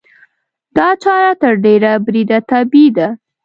دا چاره تر ډېره بریده طبیعي ده.